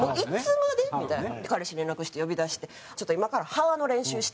彼氏に連絡して呼び出して「ちょっと今から“覇”の練習して」。